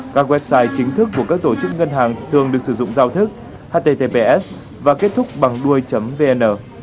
các website chính thức của các tổ chức ngân hàng thường được sử dụng giao thức https và kết thúc bằng đuôi vn